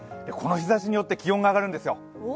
この日ざしによって気温が上がるんですよ。